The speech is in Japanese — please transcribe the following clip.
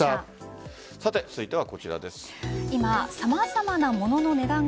続いてはこちらです。